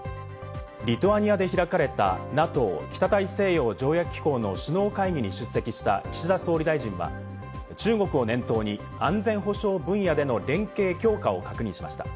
リトアニアで開かれたＮＡＴＯ＝北大西洋条約機構の首脳会議に出席した岸田総理大臣は中国を念頭に安全保障分野での連携強化を確認しました。